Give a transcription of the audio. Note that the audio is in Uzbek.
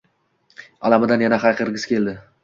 Alamidan yana hayqirgisi keldi.